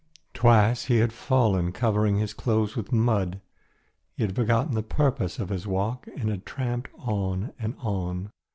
Twice he had fallen, covering his clothes with mud. He had forgotten the purpose of his walk and had tramped on and on.